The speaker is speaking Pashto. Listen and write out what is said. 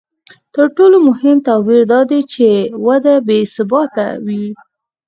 تر ټولو مهم توپیر دا دی چې وده بې ثباته وي